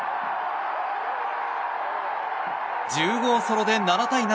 １０号ソロで７対７。